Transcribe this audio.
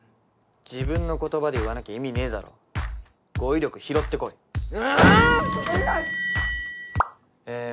自分の言葉で言わなきゃ意味ねえだろ語彙力拾ってこいあーん？ええー